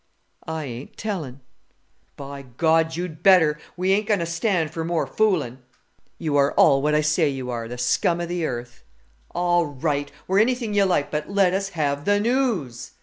"I ain't tellin'." "By God, you'd better! We ain't going to stand for more foolin'." "You are all what I say you are the scum of the earth." "All right! We're anything you like: but let us have the news."